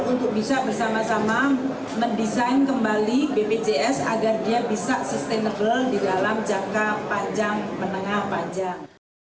untuk bisa bersama sama mendesain kembali bpjs agar dia bisa sustainable di dalam jangka panjang menengah panjang